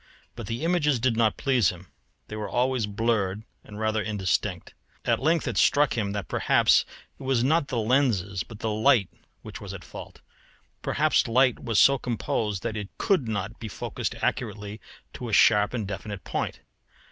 But the images did not please him; they were always blurred and rather indistinct. At length, it struck him that perhaps it was not the lenses but the light which was at fault. Perhaps light was so composed that it could not be focused accurately to a sharp and definite point.